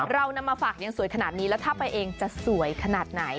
เราก็มาฝากหัวสวยขนาดนี้ถ้าไปเองจะสวยขนาดไหน